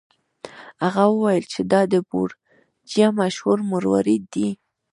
هغه وویل چې دا د بورجیا مشهور مروارید دی.